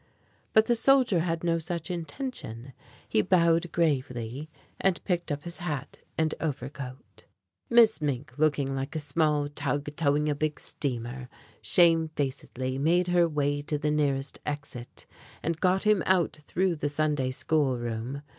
But the soldier had no such intention. He bowed gravely, and picked up his hat and overcoat. Miss Mink, looking like a small tug towing a big steamer, shamefacedly made her way to the nearest exit, and got him out through the Sunday school room.